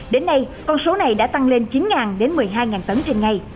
đến nay con số này đã tăng lên chín một mươi hai tấn trên ngày